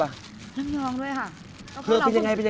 พักกินกันยาวเลย